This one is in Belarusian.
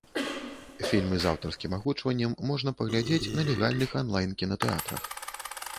Фільмы з аўтарскім агучваннем можна паглядзець на легальных анлайн-кінатэатрах.